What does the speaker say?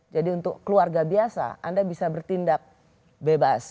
jadi untuk keluarga biasa anda bisa bertindak bebas